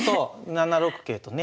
７六桂とね。